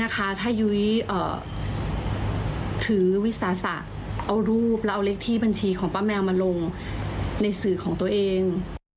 ถ้ายุ้ยถือวิสาสะเอารูปแล้วเอาเลขที่บัญชีของป้าแมวมาลงในสื่อของตัวเอง